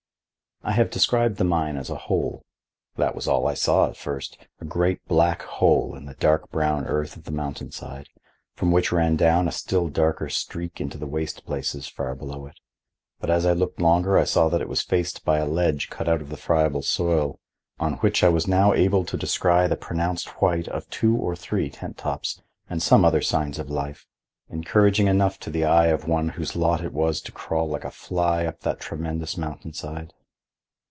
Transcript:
I have described the mine as a hole. That was all I saw at first—a great black hole in the dark brown earth of the mountain side, from which ran down a still darker streak into the waste places far below it. But as I looked longer I saw that it was faced by a ledge cut out of the friable soil, on which I was now able to descry the pronounced white of two or three tent tops and some other signs of life, encouraging enough to the eye of one whose lot it was to crawl like a fly up that tremendous mountain side.